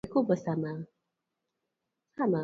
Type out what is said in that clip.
yanapopatikana bei zimepanda kwa viwango vikubwa sana